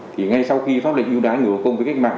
thì ngay sau khi pháp lệnh ưu đãi người có công với cách mạng